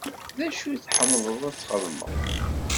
D acu i tḥemmleḍ ad txedmeḍ?